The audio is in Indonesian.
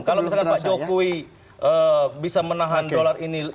kalau misalkan pak jokowi bisa menahan dolar ini